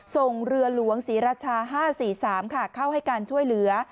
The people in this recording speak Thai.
ส่งเรือหลวงศรีราชา๕๔๓ค่ะเข้าให้การช่วยเหลือ